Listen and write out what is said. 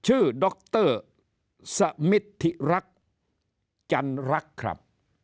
ชื่อดรสมิทธิรักษ์จันรักครับ